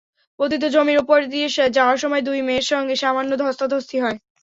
পতিত জমির ওপর দিয়ে যাওয়ার সময় দুই মেয়ের সঙ্গে সামান্য ধ্বস্তাধস্তি হয়।